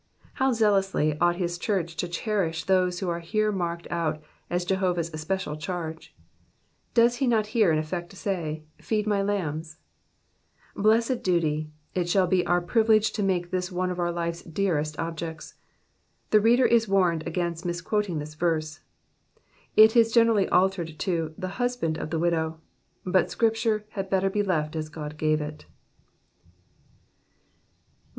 How zealously ought his church to cherish those who are here marked out as Jehovah's especial charge. Does he not here in effect say, Feed my lambs" i Blessed duty, it shall be our privilege to make this one of our life's dearest objects. The reader is warned against mis quoting this verse ; it is generally altered into ''the husband of the widow," but Scriptuie had better be left as God gave it.